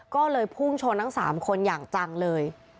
ก็เลยพุ่งชนทั้ง๓คนอย่างจังเลย